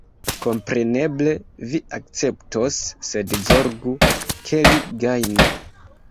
Kompreneble vi akceptos, sed zorgu, ke li gajnu.